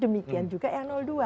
demikian juga yang dua